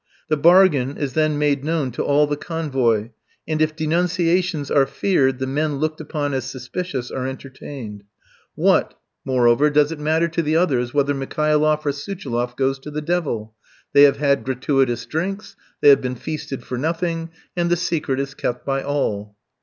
The bargain is then made known to all the convoy, and if denunciations are feared, the men looked upon as suspicious are entertained. What, moreover, does it matter to the others whether Mikhailoff or Suchiloff goes to the devil? They have had gratuitous drinks, they have been feasted for nothing, and the secret is kept by all.